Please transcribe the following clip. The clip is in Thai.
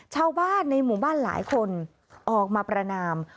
ชาวบ้านในหมู่บ้านหลายคนออกมาประนาม